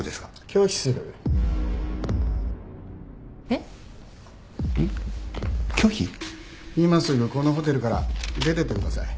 今すぐこのホテルから出てってください。